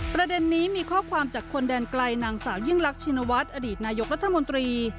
ประเด็นนี้มีข้อความจากคนแดนไกลนางสาวยิ่งรักชินวัฒน์อดีตนายกรัฐมนตรี